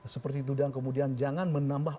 seperti itu dan kemudian jangan menambah